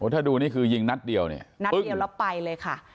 ถ้าดูนี่คือยิงนัดเดียวเนี่ยนัดเดียวแล้วไปเลยค่ะ